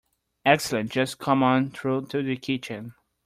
Excellent, just come on through to the kitchen.